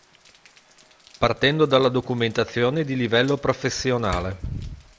Partendo dalla documentazione di livello professionale.